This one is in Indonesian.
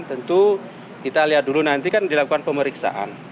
tentu kita lihat dulu nanti kan dilakukan pemeriksaan